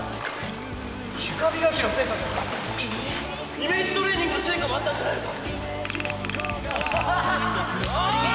イメージトレーニングの成果もあったんじゃないのか？